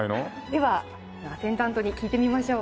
ではアテンダントに聞いてみましょう。